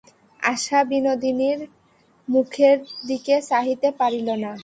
আশা বিনোদিনীর মুখের দিকে চাহিতে পারিল না।